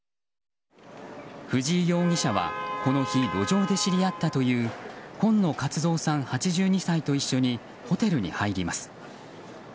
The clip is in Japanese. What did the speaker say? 藤井容疑者はこの日、路上で知り合ったという今野勝蔵さん、８２歳と一緒にホテルに入ります。